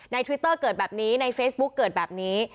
ทวิตเตอร์เกิดแบบนี้ในเฟซบุ๊กเกิดแบบนี้